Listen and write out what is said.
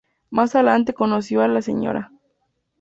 Más adelante conoció a la Sra.